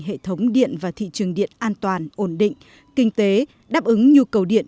hệ thống điện và thị trường điện an toàn ổn định kinh tế đáp ứng nhu cầu điện